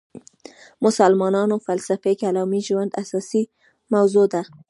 مسلمانانو فلسفي کلامي ژوند اساسي موضوع ده.